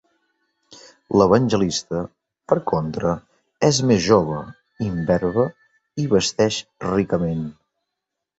L'Evangelista, per contra, és més jove, imberbe i vesteix ricament.